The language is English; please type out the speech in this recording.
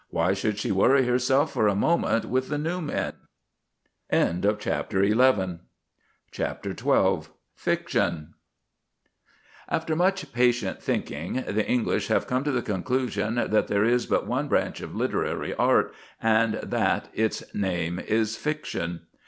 Why should she worry herself for a moment with the new men? CHAPTER XII FICTION After much patient thinking, the English have come to the conclusion that there is but one branch of literary art, and that its name is Fiction.